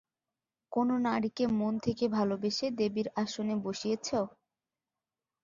কোনো নারীকে মন থেকে ভালোবেসে দেবীর আসনে বসিয়েছে?